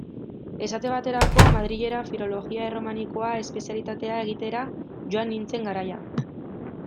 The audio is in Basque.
Esate baterako, Madrilera Filologia Erromanikoa espezialitatea egitera joan nintzen garaia.